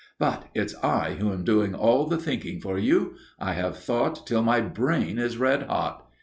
"But it's I who am doing all the thinking for you. I have thought till my brain is red hot."